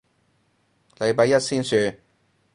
禮拜一先算